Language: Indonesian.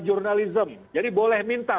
journalism jadi boleh minta